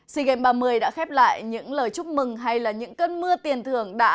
sea games ba mươi đã khép lại những lời chúc mừng hay là những cơn mưa tiền thưởng đã